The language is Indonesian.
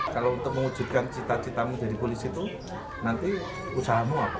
kalau untuk mewujudkan cita citamu jadi polisi itu nanti usahamu apa